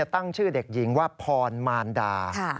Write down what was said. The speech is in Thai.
ตั้งชื่อเด็กหญิงว่าพรมารดา